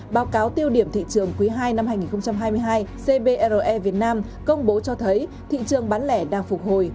báo cáo tiêu điểm thị trường quý ii năm hai nghìn hai mươi hai cbre việt nam công bố cho thấy thị trường bán lẻ đang phục hồi